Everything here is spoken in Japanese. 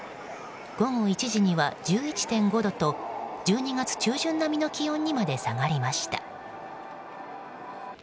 午後１時には１１．５度と１２月中旬並みの気温にまで下がりました。